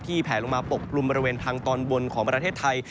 แผลลงมาปกกลุ่มบริเวณทางตอนบนของประเทศไทย